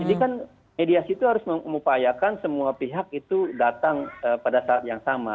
jadi kan mediasi itu harus memupayakan semua pihak itu datang pada saat yang sama